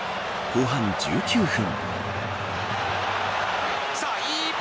後半１９分。